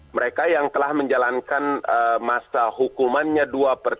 mereka yang telah menjalankan masa hukumannya dua bulan